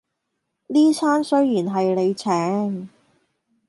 呢餐雖然係你請